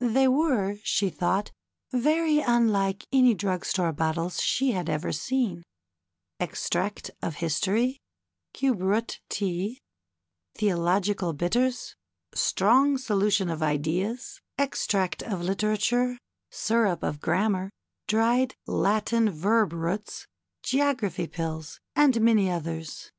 They were, she thought, very unlike any drug store bottles she had ever seen :" Extract of History, Cube Root Tea, Theological Bitters, Strong Solution of Ideas, Extract of Literature, Syrup of Grammar, Dried Latin Verb Roots, Geography Pills," and many others.